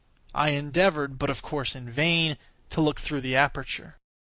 I endeavored, but of course in vain, to look through the aperture.